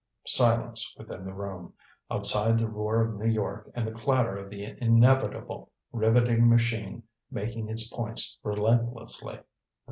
Silence within the room; outside the roar of New York and the clatter of the inevitable riveting machine making its points relentlessly.